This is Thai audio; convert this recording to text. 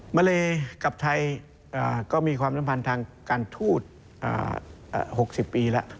มาเลกับไทยก็มีความสัมพันธ์ทางการทูต๖๐ปีแล้ว